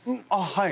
はい。